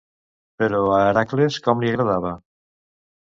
Però a Hèracles com li agradava?